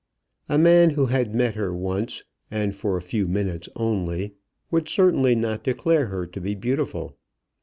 A man who had met her once, and for a few minutes only, would certainly not declare her to be beautiful.